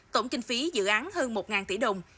tổng kinh phí dự án hơn một tỷ đồng